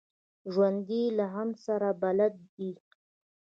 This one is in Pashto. ژوندي له غم سره بلد دي